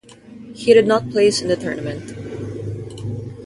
He did not place in the tournament.